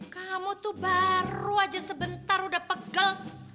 kamu tuh baru aja sebentar udah pegel